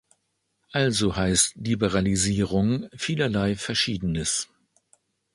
Also heißt Liberalisierung vielerlei Verschiedenes.